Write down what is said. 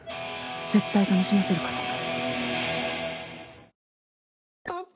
絶対楽しませるからさ。